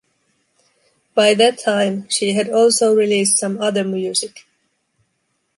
By that time, she had also released some other music.